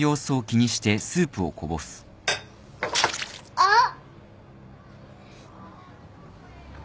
あっ。